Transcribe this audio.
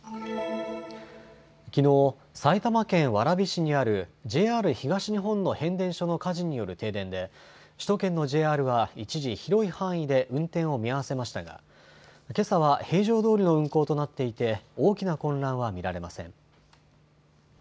きのう、埼玉県蕨市にあるＪＲ東日本の変電所の火事による停電で首都圏のＪＲは一時、広い範囲で運転を見合わせましたがけさは平常どおりの運行となっていて大きな混乱は見られません。